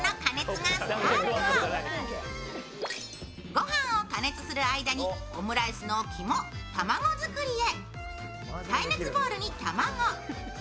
御飯を加熱する間にオムライスの肝、卵作りへ。